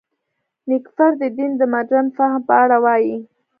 نېکفر د دین د مډرن فهم په اړه وايي.